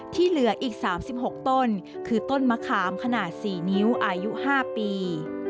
ที่เหลืออีก๓๖ต้นคือต้นมะขามขนาด๔นิ้วอายุ๕ปี